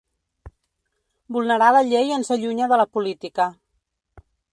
Vulnerar la llei ens allunya de la política.